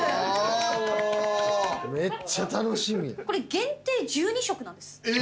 これ限定１２食なんです。